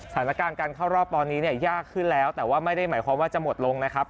สถานการณ์การเข้ารอบตอนนี้เนี่ยยากขึ้นแล้วแต่ว่าไม่ได้หมายความว่าจะหมดลงนะครับ